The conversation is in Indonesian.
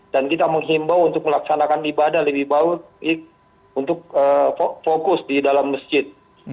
dan kita menghimbau untuk melaksanakan ibadah lebih baik untuk fokus di dalam masjid